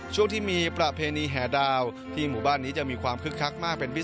ช่วงที่มีประเพณีแห่ดาวที่หมู่บ้านนี้จะมีความคึกคักมากเป็นพิ